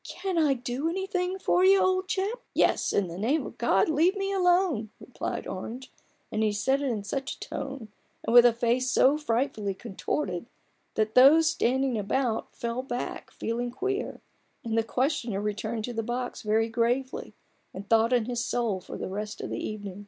Can I do anything for you, old chap ?"" Yes ; in the name of God leave me alone !" replied Orange ; and he said it in such a tone, and with a face so frightfully contorted, that those standing about fell back feeling queer, and the questioner returned to the box very gravely, and thought on his soul for the rest of the evening.